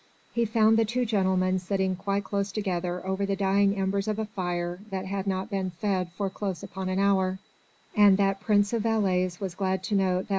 He found the two gentlemen sitting quite close together over the dying embers of a fire that had not been fed for close upon an hour: and that prince of valets was glad to note that M.